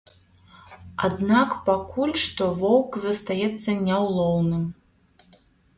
Аднак пакуль што воўк застаецца няўлоўным.